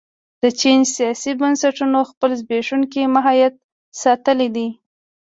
د چین سیاسي بنسټونو خپل زبېښونکی ماهیت ساتلی دی.